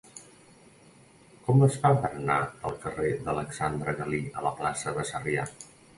Com es fa per anar del carrer d'Alexandre Galí a la plaça de Sarrià?